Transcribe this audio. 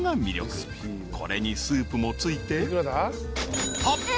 ［これにスープも付いて］